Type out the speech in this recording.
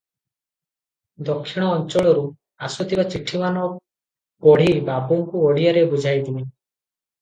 ଦକ୍ଷିଣ ଅଞ୍ଚଳରୁ ଆସୁଥିବା ଚିଠିମାନ ପଢି ବାବୁଙ୍କୁ ଓଡିଆରେ ବୁଝାଇ ଦିଏ ।